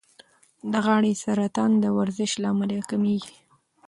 د غاړې سرطان د ورزش له امله کمېږي.